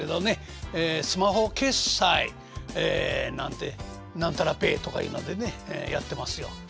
スマホ決済なんて何たらペイとかいうのでねやってますよ。